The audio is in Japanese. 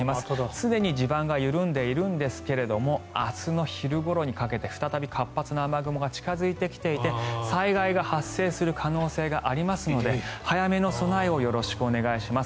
すでに地盤が緩んでいるんですが明日の昼ごろにかけて再び活発な雨雲が近付いてきていて災害が発生する可能性がありますので早めの備えをよろしくお願いします。